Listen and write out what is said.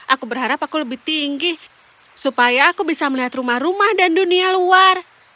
aku berharap aku lebih tinggi supaya aku bisa melihat rumah rumah dan dunia luar